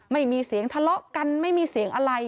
ไม่มีเสียงทะเลาะกันไม่มีเสียงอะไร